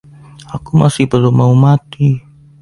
Aku masih belum mau mati.